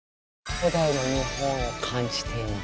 古代の日本を感じています。